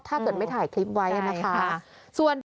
ถ้าเกิดไม่ถ่ายคลิปไว้นะคะส่วนใช่ค่ะ